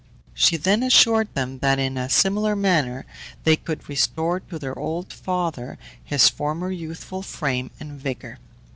She then assured them, that in a similar manner they could restore to their old father his former youthful frame and vigour.